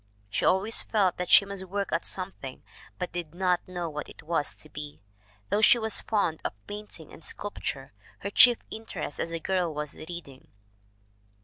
She always felt that she must work at something, but did not know what it was to be. Though she was fond of painting and sculpture, her chief interest as a girl was reading.